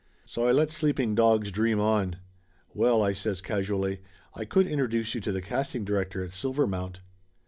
So I let sleeping dogs dream on. "Well," I says casually, "I could introduce you to the casting director at Silvermount."